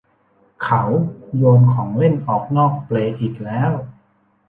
เขาโยนของเล่นออกนอกเปลอีกแล้ว